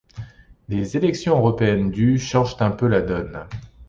Les élections européennes du changent un peu la donne.